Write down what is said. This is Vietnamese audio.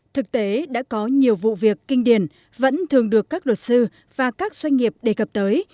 thực tế đã có nhiều vụ việc kinh điển vẫn thường được các luật sư và các doanh nghiệp đề cập tới